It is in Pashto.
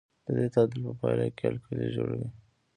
د دې تعامل په پایله کې القلي جوړوي.